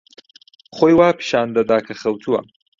خۆی وا پیشان دەدا کە خەوتووە.